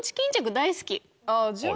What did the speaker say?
あぁじゃあ。